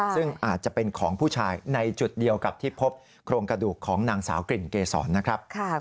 ซึ่งอาจจะเป็นของผู้ชายในจุดเดียวกับที่พบโครงกระดูกของนางสาวกลิ่นเกษรนะครับ